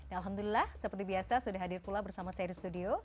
alhamdulillah seperti biasa sudah hadir pula bersama saya di studio